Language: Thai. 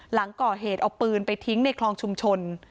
หลังก่อเหตุเอาปืนไปทิ้งในคลองชุมชน